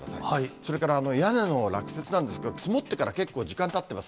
それから屋根の落雪なんですけれども、積もってから結構時間たってます。